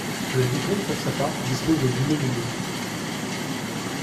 Le vicomte pour sa part dispose de Villers-Vineux.